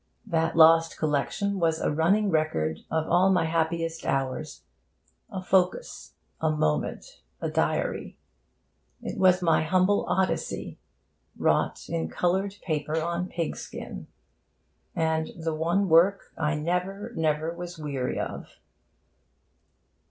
That lost collection was a running record of all my happiest hours; a focus, a monument, a diary. It was my humble Odyssey, wrought in coloured paper on pig skin, and the one work I never, never was weary of.